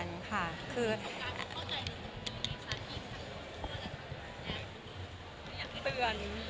คุณสงกัลเข้าใจที่คุณสงกัลเข้าใจค่ะ